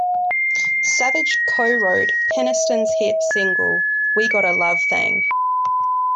Savage co-wrote Peniston's hit single "We Got a Love Thang".